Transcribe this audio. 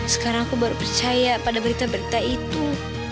sekarang aku baru percaya pada berita berita itu